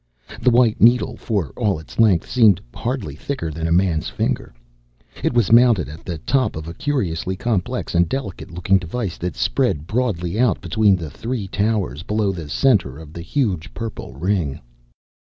The white needle, for all its length, seemed hardly thicker than a man's finger. It was mounted at the top of a curiously complex and delicate looking device that spread broadly out between the three towers, below the center of the huge purple ring.